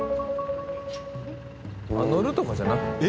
乗るとかじゃなく？